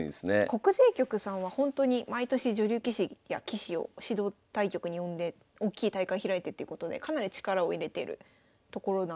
国税局さんはほんとに毎年女流棋士や棋士を指導対局に呼んでおっきい大会開いてっていうことでかなり力を入れてるところなので。